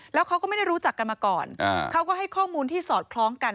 แล้วเขาก็ไม่ได้รู้จักกันมาก่อนเขาก็ให้ข้อมูลที่สอดคล้องกัน